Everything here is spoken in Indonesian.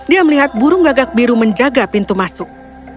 dia melihat burung gagak biru menjaga pintu masuk